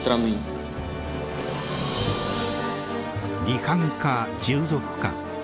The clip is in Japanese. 離反か従属か。